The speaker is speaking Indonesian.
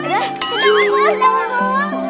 pelatihan warning warning